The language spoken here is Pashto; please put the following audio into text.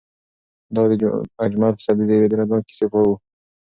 دا د اجمل پسرلي د یوې دردناکې کیسې پای و.